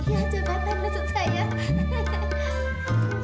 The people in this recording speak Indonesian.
iya jabatan maksud saya